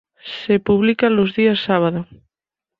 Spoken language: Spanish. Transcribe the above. Se publica los días sábado.